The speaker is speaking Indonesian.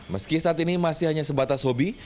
meski saat ini masih hanya sebatas hobi